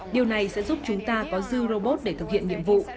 điều này sẽ giúp chúng ta có dư robot để thực hiện nhiệm vụ